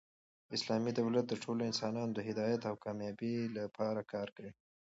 اسلامي دولت د ټولو انسانانو د هدایت او کامبابۍ له پاره کار کوي.